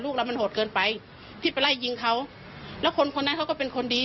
แม่ก็เลยบอกให้มามอบตัวตายไม่อย่างนั้นคงไม่กล้าก่อเหตุขนาดนี้